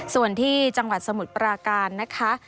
ส่วนที่จังหวัดสมุทรปราการนะคะ